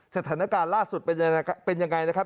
สถานการณ์ล่าสุดเป็นยังไงนะครับ